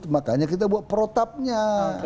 makanya kita buat protapnya